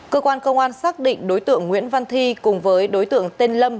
cơ quan công an xác định đối tượng nguyễn văn thi cùng với đối tượng tên lâm